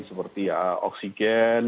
seperti ya oksigen